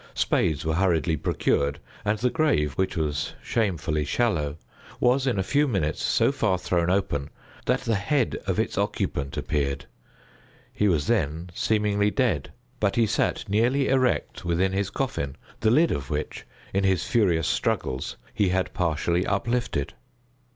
Spades were hurriedly procured, and the grave, which was shamefully shallow, was in a few minutes so far thrown open that the head of its occupant appeared. He was then seemingly dead; but he sat nearly erect within his coffin, the lid of which, in his furious struggles, he had partially uplifted.